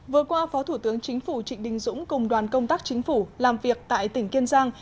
vừa qua phó thủ tướng chính phủ trịnh đình dũng cùng đoàn công tác chính phủ làm việc tại tỉnh kiên giang